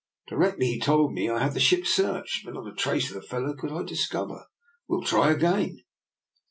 Directly he told me I had the ship searched, but not a trace of the fel low could I discover. We'll try again."